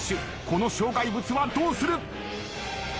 この障害物はどうする？